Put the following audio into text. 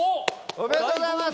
おめでとうございます。